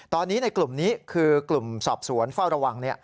ตอนนี้ในกลุ่มนี้คือกลุ่มสอบสวนเฝ้าระวัง